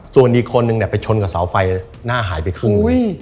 ส่วนอีกคนนึงไปชนกับเสาไฟหน้าหายไปครึ่ง